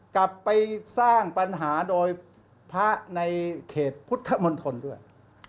กลับไปสร้างปัญหาโดยพระในเขตพุทธมณฑลด้วย